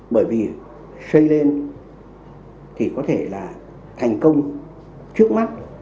bởi vì xây lên thì có thể là thành công trước mắt